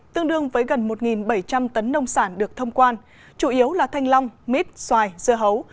tương đương với gần một bảy trăm linh tấn nông sản được thông quan chủ yếu là thanh long mít xoài dưa hấu